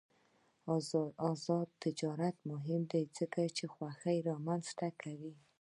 آزاد تجارت مهم دی ځکه چې خوښي رامنځته کوي.